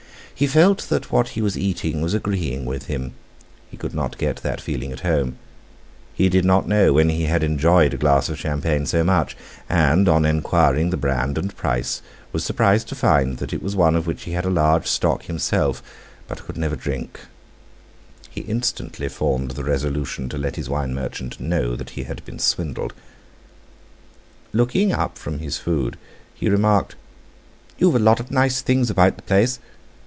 He felt that what he was eating was agreeing with him; he could not get that feeling at home; he did not know when he had enjoyed a glass of champagne so much, and, on inquiring the brand and price, was surprised to find that it was one of which he had a large stock himself, but could never drink; he instantly formed the resolution to let his wine merchant know that he had been swindled. Looking up from his food, he remarked: "You've a lot of nice things about the place.